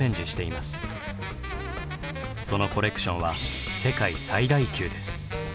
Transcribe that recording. そのコレクションは世界最大級です。